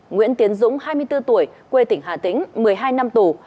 nguyễn tiến dũng hai mươi bốn tuổi quê tỉnh hà tĩnh một mươi hai năm tù